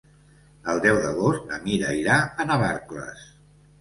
El deu d'agost na Mira irà a Navarcles.